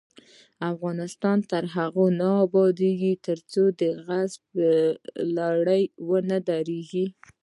افغانستان تر هغو نه ابادیږي، ترڅو د غصب لړۍ ونه دریږي.